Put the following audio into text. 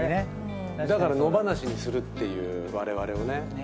だから野放しにするっていうわれわれをね。